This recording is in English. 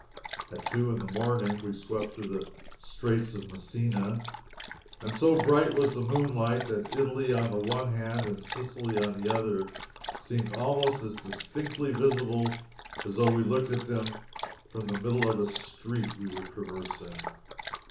At two in the morning we swept through the Straits of Messina, and so bright was the moonlight that Italy on the one hand and Sicily on the other seemed almost as distinctly visible as though we looked at them from the middle of a street we were traversing.